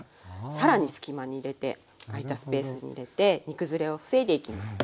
更に隙間に入れて空いたスペースに入れて煮崩れを防いでいきます。